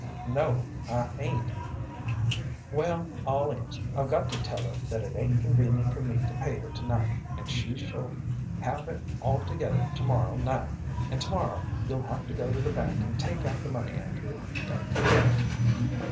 "No, I 'ain't." "Well, all is, I've got to tell her that it ain't convenient for me to pay her to night, and she shall have it all together to morrow night, and to morrow you'll have to go to the bank and take out the money, Andrew. Don't forget it."